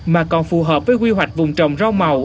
mà còn phù hợp với quy hoạch vùng trồng rau màu